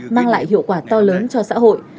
mang lại hiệu quả to lớn cho xã hội